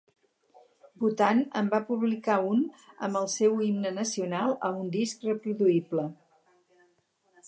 Bhutan en va publicar un amb el seu himne nacional a un disc reproduïble.